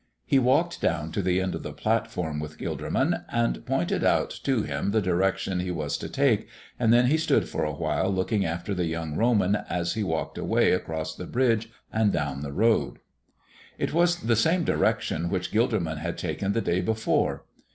He walked down to the end of the platform with Gilderman and pointed out to him the direction he was to take, and then he stood for a while looking after the young Roman as he walked away across the bridge and down the road. It was the same direction which Gilderman had taken the day before.